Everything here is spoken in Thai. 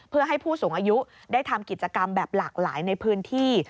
เพื่อให้ผู้สูงอายุได้ทำกิจกรรมแบบหลากหลายในพื้นที่